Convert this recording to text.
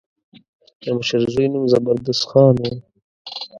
د مشر زوی نوم زبردست خان و.